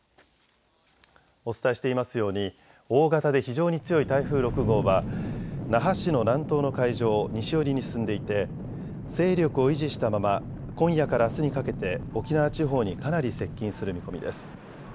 お伝えしていますように大型で非常に強い台風６号は那覇市の南東の海上を西寄りに進んでいて勢力を維持したまま今夜からあすにかけて沖縄地方にかなり接近する見込みです。